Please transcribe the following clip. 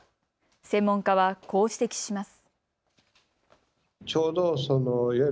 専門家はこう指摘します。